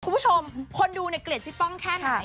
คุณผู้ชมคนดูเนี่ยเกลียดพี่ป้องแค่ไหน